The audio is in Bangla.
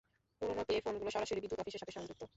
পুরনো পে ফোনগুলো সরাসরি বিদ্যুৎ অফিসের সাথে সংযুক্ত!